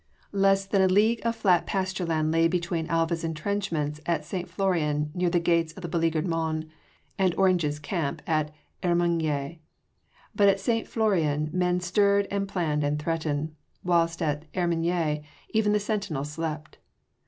Less than a league of flat pasture land lay between Alva’s entrenchments at St. Florian near the gates of beleaguered Mons, and Orange’s camp at Hermigny. But at St. Florian men stirred and planned and threatened, whilst at Hermigny even the sentinels slept.